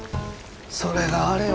それがあれよ